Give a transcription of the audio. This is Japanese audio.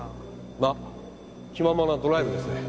まあ気ままなドライブですね。